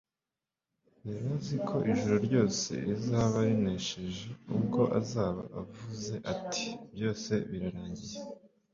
Yari azi ko ijuru ryose rizaba rinesheje ubwo azaba avuze ati : «Byose birarangiye.»